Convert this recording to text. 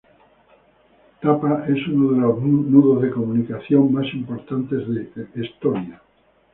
Tapa es uno de los nudos de comunicación más importantes de Estonia.